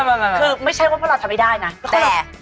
คือไม่ใช่ว่าพวกเราทำไม่ได้นะแต่